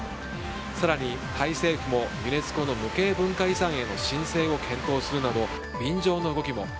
更にタイ政府もユネスコの無形文化遺産への申請を検討するなど便乗の動きも。